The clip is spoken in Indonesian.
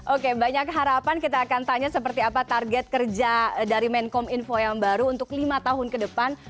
oke banyak harapan kita akan tanya seperti apa target kerja dari menkom info yang baru untuk lima tahun ke depan